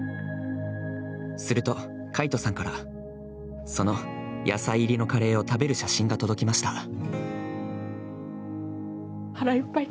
すると、魁翔さんからその野菜入りのカレーを食べる写真が届きました。